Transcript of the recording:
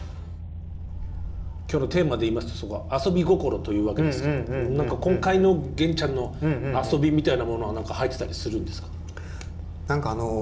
今日のテーマで言いますと「アソビゴコロ」というわけですけど今回の源ちゃんの遊びみたいなものは何か入ってたりするんですか？